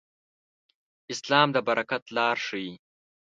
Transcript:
اسلام د برکت لار ښيي.